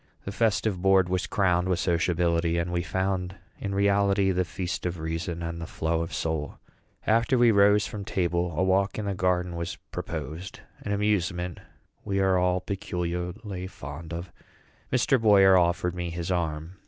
The festive board was crowned with sociability, and we found in reality "the feast of reason and the flow of soul." After we rose from table, a walk in the garden was proposed an amusement we are all peculiarly fond of. Mr. Boyer offered me his arm.